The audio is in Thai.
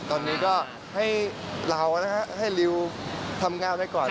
ตอนนี้ก็ให้เรานะฮะให้ริวทำงานไปก่อน